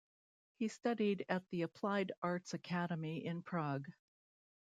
He studied at the Applied Arts Academy in Prague.